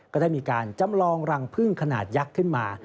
ก็ได้มีการจำลองรังพึ่งขนาดยักษ์ขึ้นมา